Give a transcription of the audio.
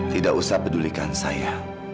tidak usah pedulikan saya